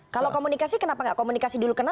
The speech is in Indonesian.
kalau komunikasi kenapa nggak komunikasi dulu kena